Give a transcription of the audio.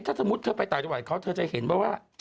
ถ้าสมมุติเธอไปต่างจังหวัดเขาเธอจะเห็นว่า